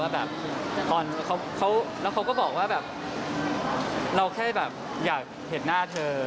แบบแล้วเขาก็บอกว่าแบบเราแค่แบบอยากเห็นหน้าเธอ